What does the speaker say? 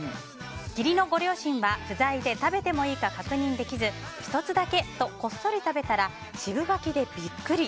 義理のご両親は不在で食べてもいいか確認できず１つだけとこっそり食べたら渋柿でビックリ。